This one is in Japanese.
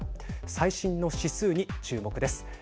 最新の指数に注目です。